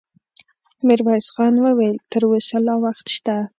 ميرويس خان وويل: تر اوسه لا وخت شته.